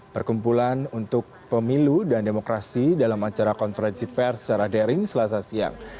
perkumpulan untuk pemilu dan demokrasi dalam acara konferensi pers secara daring selasa siang